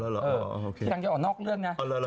ออเราเดี๋ยวจะออกนอกเรื่องนะ